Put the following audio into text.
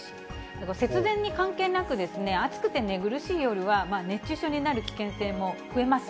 節電に関係なく、暑くて寝苦しい夜は、熱中症になる危険性も増えます。